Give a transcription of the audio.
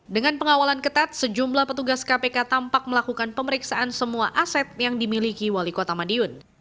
dengan pengawalan ketat sejumlah petugas kpk tampak melakukan pemeriksaan semua aset yang dimiliki wali kota madiun